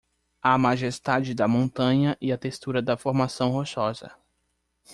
A majestade da montanha e a textura da formação rochosa